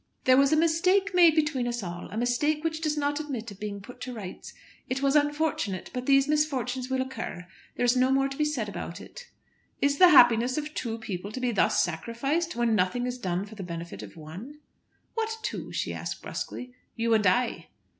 "There was a mistake made between us all, a mistake which does not admit of being put to rights. It was unfortunate, but those misfortunes will occur. There is no more to be said about it." "Is the happiness of two people to be thus sacrificed, when nothing is done for the benefit of one?" "What two?" she asked brusquely. "You and I."